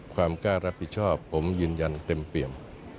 ความกล้ารับผิดชอบผมยืนยันเต็มเปรียม